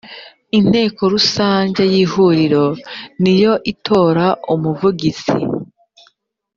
inteko rusange y’ihuriro niyo itora umuvugizi